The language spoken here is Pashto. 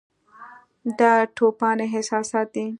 دا توپاني احساسات دي.